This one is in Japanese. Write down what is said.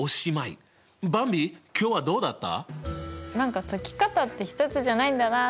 ばんび今日はどうだった？